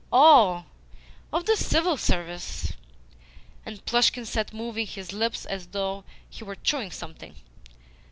"Oh! Of the CIVIL Service?" And Plushkin sat moving his lips as though he were chewing something.